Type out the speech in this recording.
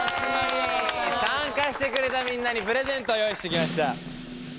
参加してくれたみんなにプレゼントを用意してきました。